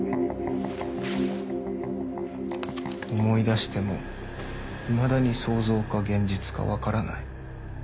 思い出してもいまだに想像か現実かわからない。